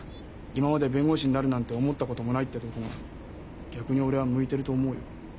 「今まで弁護士になるなんて思ったこともない」ってとこが逆に俺は向いてると思うよ。